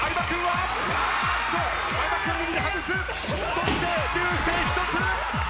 そして流星１つ！